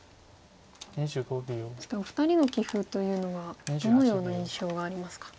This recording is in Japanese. そしてお二人の棋風というのはどのような印象がありますか？